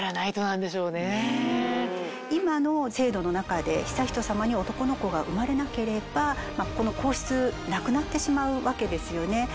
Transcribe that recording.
今の制度の中で悠仁さまに男の子が生まれなければこの皇室なくなってしまうわけですよね。